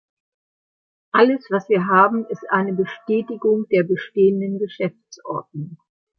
Alles was wir haben, ist eine Bestätigung der bestehenden Geschäftsordnung.